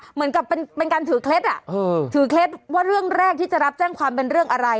เหมือนกับเป็นการถือเคล็ดอ่ะถือเคล็ดว่าเรื่องแรกที่จะรับแจ้งความเป็นเรื่องอะไร